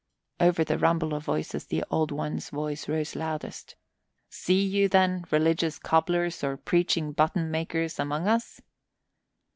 Over the rumble of voices the Old One's voice rose loudest: "See you, then, religious cobblers or preaching button makers among us?"